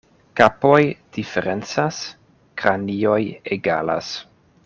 Kapoj diferencas, kranioj egalas.